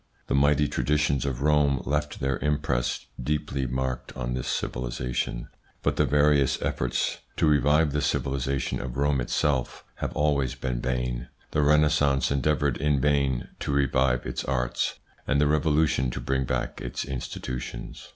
The mighty traditions of Rome left their impress deeply marked on this civilisation, but the various efforts to revive the 156 THE PSYCHOLOGY OF PEOPLES: civilisation of Rome itself have always been vain. The Renaissance endeavoured in vain to revive its arts, and the Revolution to bring back its institutions.